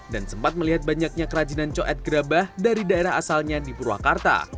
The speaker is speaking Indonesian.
dan sempat melihat banyaknya kerajinan cowet gerabah dari daerah asalnya di purwakarta